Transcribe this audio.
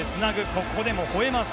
ここでもほえます。